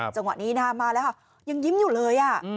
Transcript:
จังหวะนี้นะคะมาแล้วค่ะยังยิ้มอยู่เลย